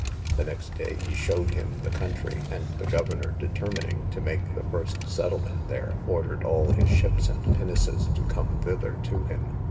The next day he showed him the country, and the governor determining to make the first settlement there, ordered all his ships and pinnaces to come thither to him.